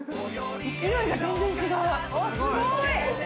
勢いが全然違うすごい！